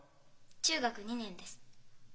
中学２年です。